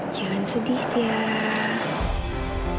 jangan sedih tiara